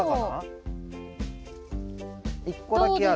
１個だけある。